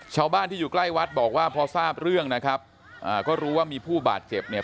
ชาวบ้านที่อยู่ใกล้วัดบอกว่าพอทราบเรื่องนะครับอ่าก็รู้ว่ามีผู้บาดเจ็บเนี่ย